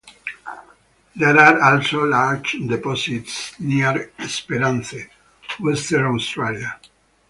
There are also large deposits near Esperance, Western Australia.